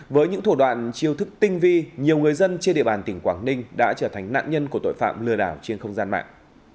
với những thủ đoạn chiêu thức tinh vi nhiều người dân trên địa bàn tỉnh quảng ninh đã trở thành nạn nhân của tội phạm lừa đảo trên không gian mạng